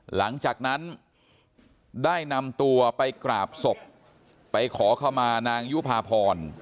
หลังจากนั้นได้นำตัวไปกราบศพไปขอขมานางยุภาพร